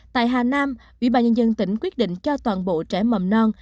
tại hà nam ủy ban nhân dân tỉnh quyết định cho toàn bộ trẻ mầm non